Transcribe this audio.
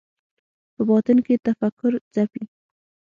په باطن کې تفکر ځپي